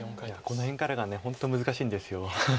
この辺からが本当難しいんです。